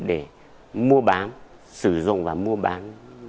để mua bán sử dụng và mua bán